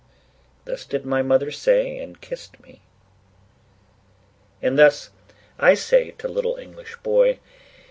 Thus did my mother say, and kissed me, And thus I say to little English boy.